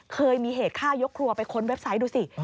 เคยมีเหตุฆ่ายกครัวไปค้นเว็บไซต์ดูสิ